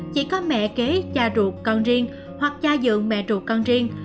chỉ có mẹ kế cha ruột con riêng hoặc cha dựng mẹ ruột con riêng